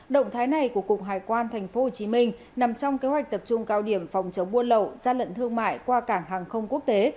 động thái này của cục hải quan tp hcm nằm trong kế hoạch tập trung cao điểm phòng chống buôn lậu gian lận thương mại qua cảng hàng không quốc tế